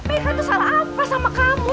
aida itu salah apa sama kamu